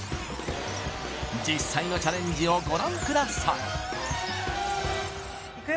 実際のチャレンジをご覧くださいいくよ